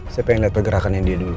saya pengen lihat pergerakannya dia dulu